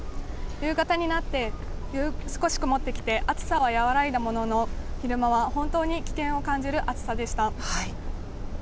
夕方になって、少し曇ってきて、暑さは和らいだものの、昼間は本当に危険を感じる暑さでした。